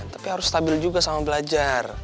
tapi harus stabil juga sama belajar